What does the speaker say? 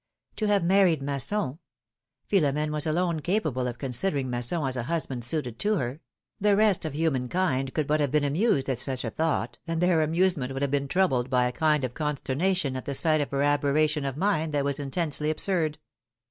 To have married Masson ? Philomene was alone capable of considering Masson as a husband suited to her : the rest of human kind could but have been amused at such a thought, and their amusement would have been troubled by a kind of consternation at the sight of her aberration of mind that was intensely absurd.